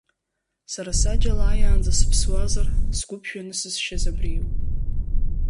Сара саџьал ааиаанӡа сыԥсуазар, сгәы ԥжәаны сызшьыз абри иоуп.